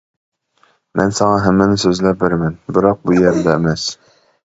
مەن ساڭا ھەممىنى سۆزلەپ بېرىمەن، بىراق بۇ يەردە ئەمەس.